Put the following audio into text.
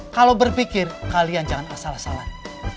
kalau berpikir kalian jangan asal asalan